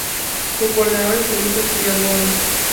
Su coordinador es Felipe Criado-Boado.